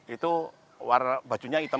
itu warna bajunya hitam